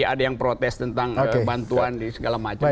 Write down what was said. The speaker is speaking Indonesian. ada yang protes tentang bantuan segala macam